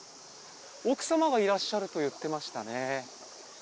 奥様がいらっしゃると言ってましたね。